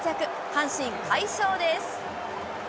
阪神、快勝です。